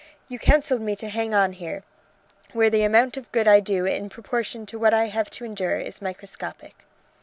You counselled me to hang on here, where the amount of good I do in proportion to what I have to endure is microscopic."